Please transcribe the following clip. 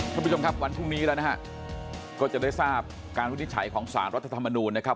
คุณผู้ชมครับวันพรุ่งนี้แล้วนะฮะก็จะได้ทราบการวินิจฉัยของสารรัฐธรรมนูลนะครับ